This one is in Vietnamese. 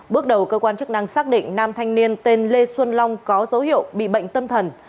bước đầu cơ quan chức năng xác định nam thanh niên tên lê xuân long có dấu hiệu bị bệnh tâm thần